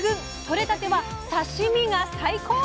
取れたては刺身が最高！